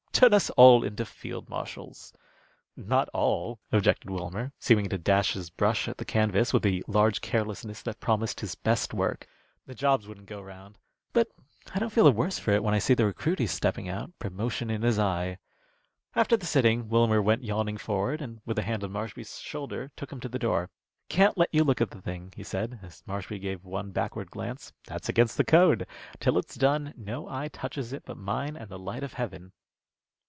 Turn us all into field marshals." "Not all," objected Wilmer, seeming to dash his brush at the canvas with the large carelessness that promised his best work. "The jobs wouldn't go round. But I don't feel the worse for it when I see the recruity stepping out, promotion in his eye." After the sitting, Wilmer went yawning forward, and with a hand on Marshby's shoulder, took him to the door. "Can't let you look at the thing," he said, as Marshby gave one backward glance. "That's against the code. Till it's done, no eye touches it but mine and the light of heaven."